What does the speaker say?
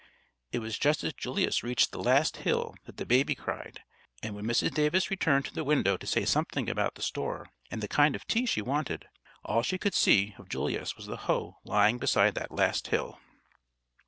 It was just as Julius reached the last hill that the baby cried, and when Mrs. Davis returned to the window to say something about the store and the kind of tea she wanted, all she could see of Julius was the hoe lying beside that last hill.